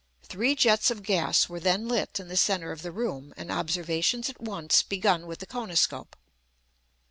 Three jets of gas were then lit in the centre of the room, and observations at once begun with the koniscope.